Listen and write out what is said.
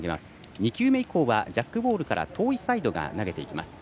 ２球目以降はジャックボールから遠いサイドが投げていきます。